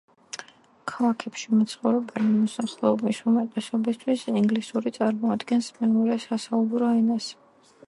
ქალაქებში მაცხოვრებელი მოსახლეობის უმეტესობისთვის ინგლისური წარმოადგენს მეორე სასაუბრო ენას.